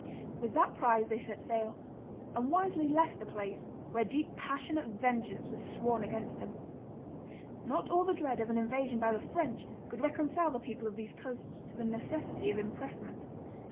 With that prize they set sail, and wisely left the place, where deep passionate vengeance was sworn against them. Not all the dread of an invasion by the French could reconcile the people of these coasts to the necessity of impressment.